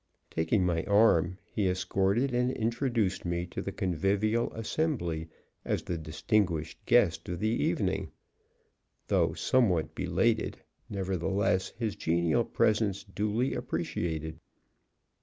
Taking my arm, he escorted and introduced me to the convivial assembly as the distinguished guest of the evening "though somewhat belated, nevertheless his genial presence duly appreciated."